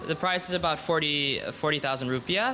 harganya sekitar empat puluh rupiah